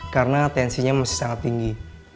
karena tensinya masih sangat tinggi